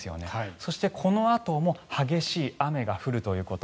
そして、このあとも激しい雨が降るということ。